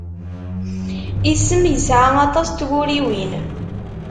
Isem yesεa aṭas n twuriwin.